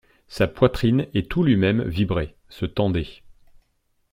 Sa poitrine et tout lui-même vibraient, se tendaient.